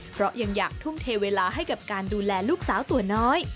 เพราะยังอยากทุ่มเทเวลาให้กับการดูแลลูกสาวตัวน้อย